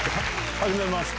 はじめまして。